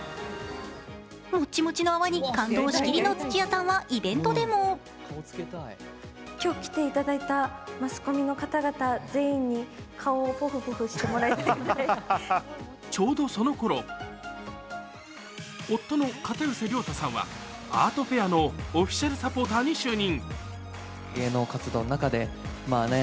モッチモチの泡に感動しきりの土屋さんはイベントでもちょうどその頃、夫の片寄涼太さんはアートフェアのオフィシャルサポーターに就任。